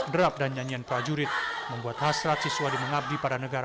derap dan nyanyian prajurit membuat hasrat siswadi mengabdi pada negara